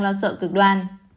lo sợ cực đoan